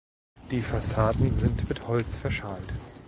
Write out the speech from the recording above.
Die Fassaden sind mit Holz verschalt.